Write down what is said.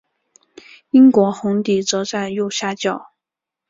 英国红底则在右下角。